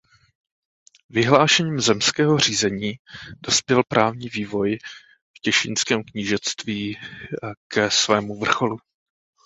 Vyhlášením zemského zřízení dospěl právní vývoj v Těšínském knížectví ke svému vrcholu.